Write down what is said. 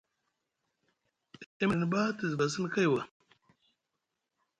E miɗini ɓa te zuva sini kay wa.